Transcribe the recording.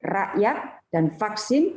rakyat dan vaksin